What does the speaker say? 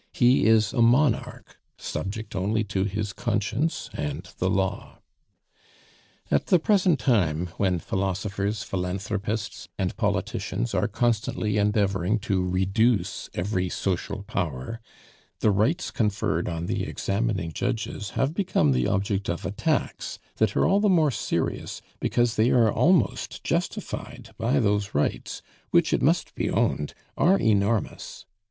He is a monarch, subject only to his conscience and the Law. At the present time, when philosophers, philanthropists, and politicians are constantly endeavoring to reduce every social power, the rights conferred on the examining judges have become the object of attacks that are all the more serious because they are almost justified by those rights, which, it must be owned, are enormous.